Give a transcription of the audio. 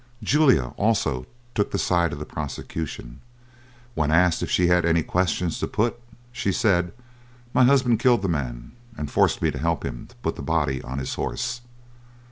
Julia also took the side of the prosecution. When asked if she had any questions to put, she said, "My husband killed the man, and forced me to help him to put the body on his horse."